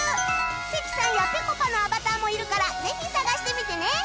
関さんやぺこぱのアバターもいるからぜひ探してみてね